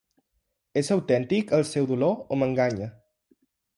És autèntic el seu dolor o m'enganya?